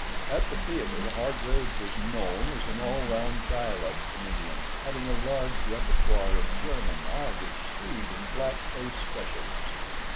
At the theater Hargraves was known as an all round dialect comedian, having a large repertoire of German, Irish, Swede, and black face specialties.